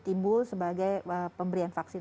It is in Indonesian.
timbul sebagai pemberian vaksin